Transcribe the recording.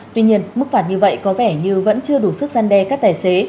tuy nhiên mức phạt như vậy có vẻ như vẫn chưa đủ sức gian đe các tài xế